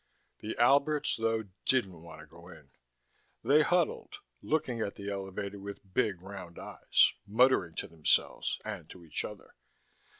The Alberts, though, didn't want to go in. They huddled, looking at the elevator with big round eyes, muttering to themselves and to each other.